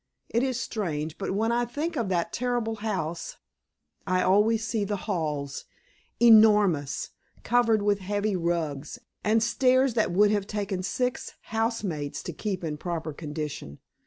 It is strange, but when I think of that terrible house, I always see the halls, enormous, covered with heavy rugs, and stairs that would have taken six housemaids to keep in proper condition.